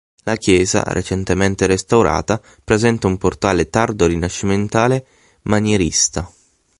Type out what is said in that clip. La chiesa, recentemente restaurata, presenta un portale tardo rinascimentale-manierista.